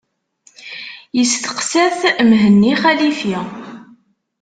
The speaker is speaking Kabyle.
Yesteqsa-t Mhenni Xalifi.